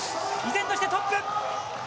依然としてトップ。